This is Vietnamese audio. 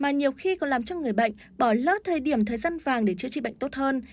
mà nhiều khi còn làm cho người bệnh bỏ lỡ thời điểm thời gian vàng để chữa trị bệnh tốt hơn